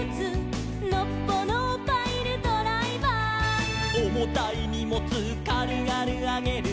「のっぽのパイルドライバー」「おもたいにもつかるがるあげる」